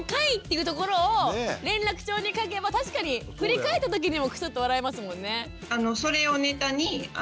いうところを連絡帳に書けば確かに振り返った時にもクスッと笑えますもんね。